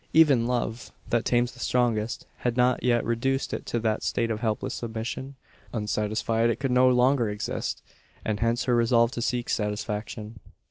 Even love, that tames the strongest, had not yet reduced it to that state of helpless submission. Unsatisfied it could no longer exist; and hence her resolve to seek satisfaction.